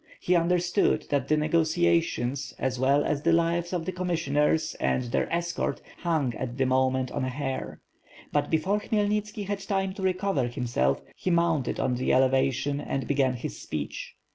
He un derstood that the negotiations as well as the lives of the commissioners and their escort hung at this moment on a hair. But, before Khmyelnitski had time to recover himself, he mounted on the elevation and began his speech.